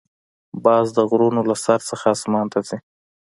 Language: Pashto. باز د غرونو له سر نه آسمان ته ځي